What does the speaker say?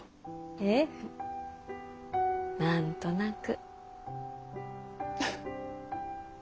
ええ何となく。